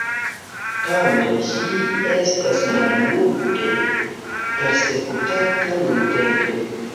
Tamen ĝi estas malmulte persekutata nuntempe.